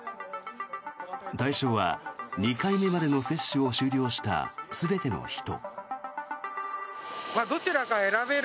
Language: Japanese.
対象は２回目までの接種を終了した全ての人。